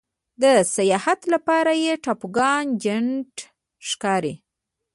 د سیاحت لپاره یې ټاپوګان جنت ښکاري.